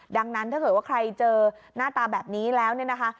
ดังนั้นถ้าเกิดว่าใครเจอหน้าตาแบบนี้แล้วเนี่ยนะคะ